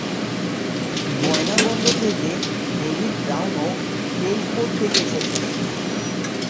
বয়নাবন্দ থেকে ডেভিড ব্রাউনও টেলফোর্ড থেকে এসেছেন।